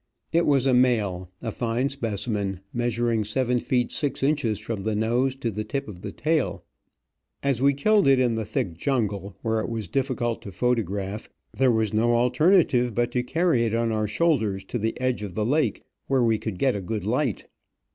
It was a male, a fine specimen, measuring seven feet six inches from the nose to the tip of the tail. As we killed it in the thick jungle, where it was difficult to photograph, there was no alternative but to carry it on our shoulders to the edge of the lake, where we could get a good light.